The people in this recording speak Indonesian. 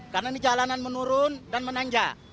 karena ini jalanan menurun dan menanjak